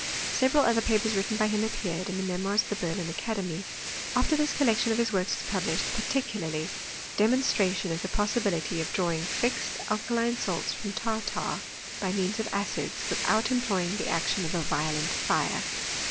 Several other papers written bf him appeared in the memoirs of the Berlin Academy^ THEORY IN CHEMISTRY. 2273 after this collection of his works was published, par ticularly A demonstration of the possibility of draw ing fix^ alkaline salts from tartar by means of acids, without employing the action of a violent fire."